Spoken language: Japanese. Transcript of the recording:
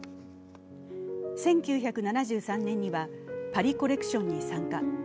１９７３年にはパリ・コレクションに参加。